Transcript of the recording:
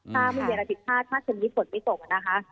ถ้าไม่มีอะไรผิดพลาดถ้าคืนนี้ฝนไม่ตกนะคะ